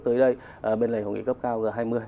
tới đây bên lề hội nghị cấp cao g hai mươi